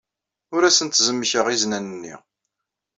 Ur asent-zemmkeɣ iznan-nni.